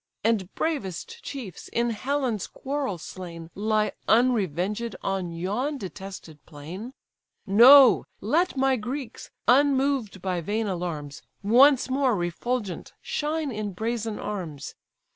And bravest chiefs, in Helen's quarrel slain, Lie unrevenged on yon detested plain? No: let my Greeks, unmoved by vain alarms, Once more refulgent shine in brazen arms.